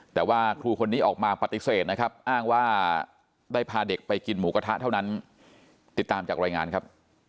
แต่ว่าครูคนนี้ออกมาปฏิเสธนะครับอ้างว่าได้พาเด็กไปกินหมูกระทะเท่านั้นติดตามจากรายงานครับ